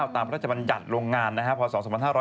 พระราชบัญญัติโรงงานพศ๒๕๕๙